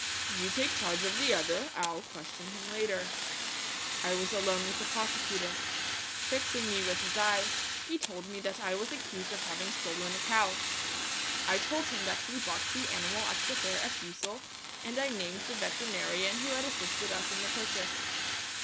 "You take charge of the other; I'll question him later." I was alone with the prosecutor. Fixing me with his eye, he told me that I was accused of having stolen a cow. I told him that we bought the animal at the fair at Ussel, and I named the veterinarian who had assisted us in the purchase.